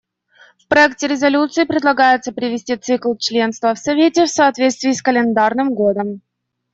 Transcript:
В проекте резолюции предлагается привести цикл членства в Совете в соответствие с календарным годом.